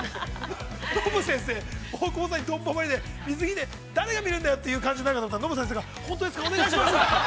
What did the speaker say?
◆ｎｏｂｕ先生、大久保さんに水着で、誰が見るんだよという感じになるかと思ったら、ｎｏｂｕ先生が、本当ですか、お願いしますって。